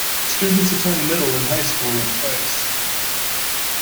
Students attend middle and high school in Price.